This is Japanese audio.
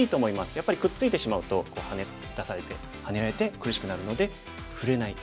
やっぱりくっついてしまうとハネ出されてハネられて苦しくなるので触れない。